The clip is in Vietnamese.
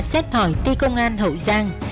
xét hỏi ti công an hậu giang